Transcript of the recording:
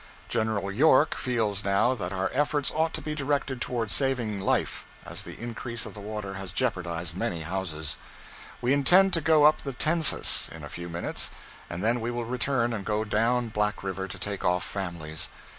General York feels now that our efforts ought to be directed towards saving life, as the increase of the water has jeopardized many houses. We intend to go up the Tensas in a few minutes, and then we will return and go down Black River to take off families.